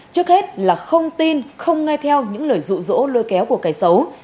trước hết là không tin không nghe theo những lời rụ rỗ lôi kéo của kẻ xấu